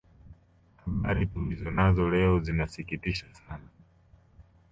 habari tulizo nazo leo zinasikitisha sana